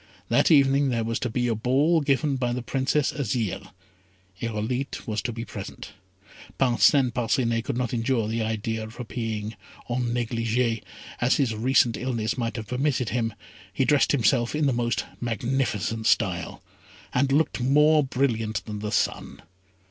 That evening there was to be a ball given by the Princess Azire. Irolite was to be present. Parcin Parcinet could not endure the idea of appearing "en négligé," as his recent illness might have permitted him, he dressed himself in the most magnificent style, and looked more brilliant than the sun.